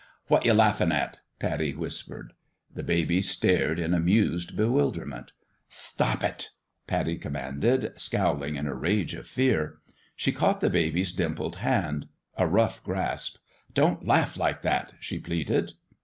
" What you laughin' at?" Pattie whispered. The baby stared in amused bewilderment. " Thtop it 1" Pattie commanded, scowling in a rage of fear. She caught the baby's dimpled hand a rough grasp. " Don't laugh like that!" she pleaded.